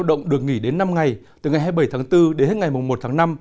tổng được nghỉ đến năm ngày từ ngày hai mươi bảy tháng bốn đến hết ngày một tháng năm